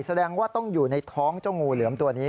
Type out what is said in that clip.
แสดงว่าต้องอยู่ในท้องเจ้างูเหลือมตัวนี้